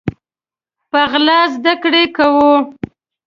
په غلا زده کړي کوو